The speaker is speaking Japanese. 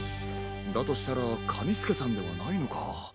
だとしたらカニスケさんではないのか。